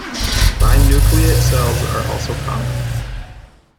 Binucleate cells are also common.